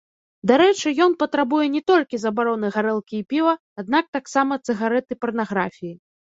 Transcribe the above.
Дарэчы, ён патрабуе не толькі забароны гарэлкі і піва, аднак таксама цыгарэт і парнаграфіі.